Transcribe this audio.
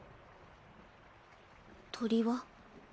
鳥は？